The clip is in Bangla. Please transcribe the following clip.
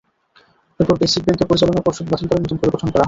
এরপর বেসিক ব্যাংকের পরিচালনা পর্ষদ বাতিল করে নতুন করে গঠন করা হয়।